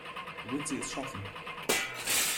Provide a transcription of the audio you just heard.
Wird sie es schaffen?